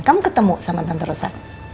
kamu ketemu sama tante rosa